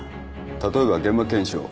例えば現場検証。